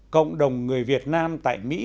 cộng đồng người việt nam tại mỹ